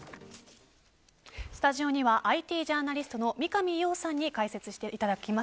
スタジオにはＩＴジャーナリストの三上洋さんに解説していただきます。